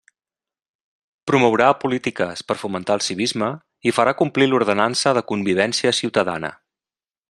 Promourà polítiques per fomentar el civisme i farà complir l'ordenança de convivència ciutadana.